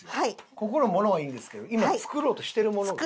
ここのものはいいんですけど今作ろうとしてるものが。